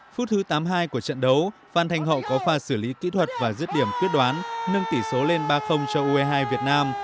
phút thứ tám mươi hai của trận đấu phan thanh hậu có pha xử lý kỹ thuật và giết điểm quyết đoán nâng tỷ số lên ba cho ue hai việt nam